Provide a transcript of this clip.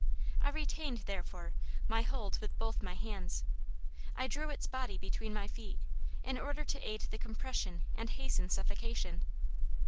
I retained, therefore, my hold with both my hands; I drew its body between my feet, in order to aid the compression and hasten suffocation.